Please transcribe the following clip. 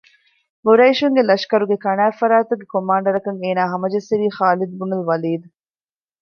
ޤުރައިޝުންގެ ލަޝްކަރުގެ ކަނާތްފަރާތުގެ ކޮމާންޑަރަކަށް އޭނާ ހަމަޖެއްސެވީ ޚާލިދުބުނުލް ވަލީދު